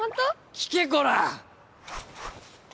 聞けコラァ！